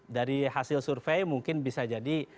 dari hasil survei mungkin bisa jadi